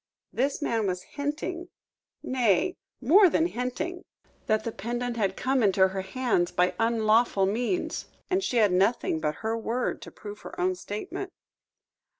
This man was hinting nay, more than hinting that the pendant had come into her hands by unlawful means, and she had nothing but her word to prove her own statement.